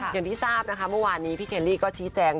อย่างที่ทราบนะคะเมื่อวานนี้พี่เคลลี่ก็ชี้แจง